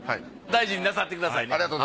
大事になさってくださいね。